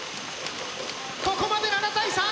ここまで７対３。